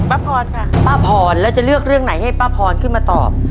ป้าพรค่ะป้าพรแล้วจะเลือกเรื่องไหนให้ป้าพรขึ้นมาตอบ